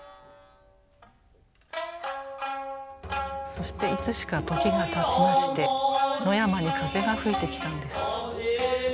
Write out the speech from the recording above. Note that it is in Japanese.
そしていつしか時がたちまして野山に風が吹いてきたんです。